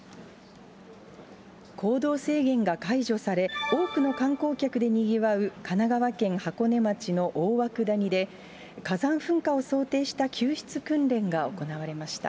行動制限が解除され、多くの観光客でにぎわう、神奈川県箱根町の大涌谷で、火山噴火を想定した救出訓練が行われました。